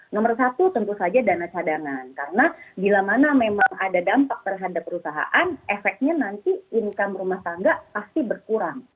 nomor satu tentu saja dana cadangan karena bila mana memang ada dampak terhadap perusahaan efeknya nanti income rumah tangga pasti berkurang